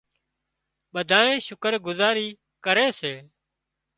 ٻڌانئين شڪر گذاري ڪري سي